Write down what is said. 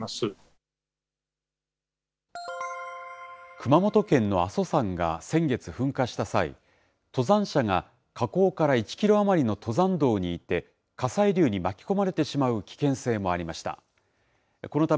熊本県の阿蘇山が先月噴火した際、登山者が火口から１キロ余りの登山道にいて、火砕流に巻き込まれてしまう危険性もありました。